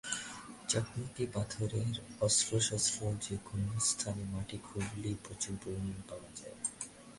চকমকি-পাথরের অস্ত্রশস্ত্রও যে-কোন স্থানে মাটি খুঁড়িলেই প্রচুর পরিমাণে পাওয়া যাইবে।